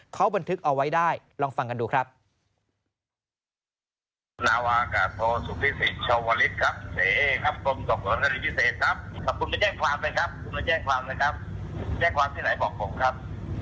เขาบันทึกเอาไว้ได้ลองฟังกันดูครับ